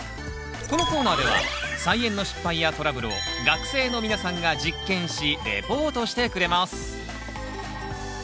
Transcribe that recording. このコーナーでは菜園の失敗やトラブルを学生の皆さんが実験しレポートしてくれます。